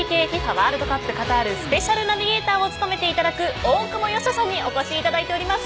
ワールドカップカタールスペシャルナビゲーターを務めていただく大久保嘉人さんにお越しいただいています。